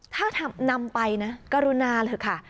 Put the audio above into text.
ถ้านำไปนะกรุณาเถอะค่ะ